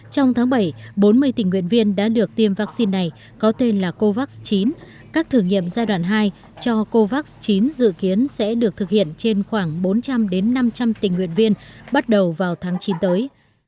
trong tháng bảy bốn mươi tình nguyện viên đã được tiêm vaccine này có tên là covax chín các thử nghiệm giai đoạn hai cho covax chín dự kiến sẽ được thực hiện trên khoảng bốn trăm linh năm trăm linh tình nguyện viên bắt đầu vào tháng chín tới